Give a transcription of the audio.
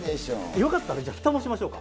よかったら、じゃあ、ふたもしましょうか。